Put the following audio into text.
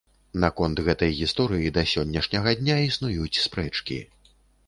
Наконт гэтай гісторыі да сённяшняга для існуюць спрэчкі.